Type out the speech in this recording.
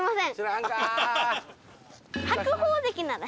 白鵬関なら。